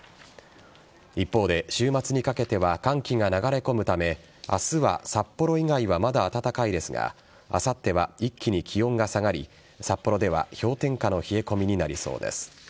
一方で週末にかけては寒気が流れ込むため明日は札幌以外はまだ暖かいですがあさっては一気に気温が下がり札幌では氷点下の冷え込みになりそうです。